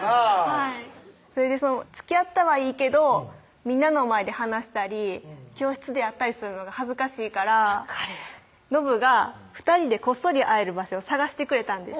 はいそれでつきあったはいいけどみんなの前で話したり教室で会ったりするのが恥ずかしいからのぶが２人でこっそり会える場所を探してくれたんです